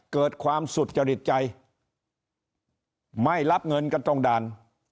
เกิดความสุจริตใจไม่รับเงินกันตรงด่าน